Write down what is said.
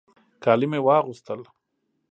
کالي مې واغوستل.